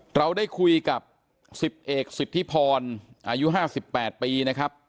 เราได้คุยกับ๑๐เอกสิทธิพรอายุ๕๘ปีนะครับ